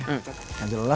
kamu nggak lah